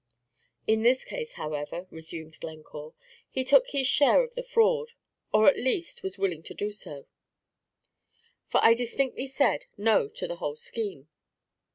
"In this case, however," resumed Glencore, "he took his share of the fraud, or at least was willing to do so, for I distinctly said 'No' to the whole scheme.